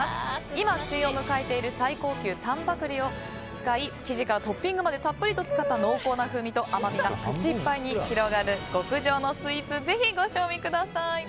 今、旬を迎えている最高級、丹波栗を使い生地からトッピングまでたっぷりと使った濃厚な風味と甘みが口いっぱいに広がる極上のスイーツ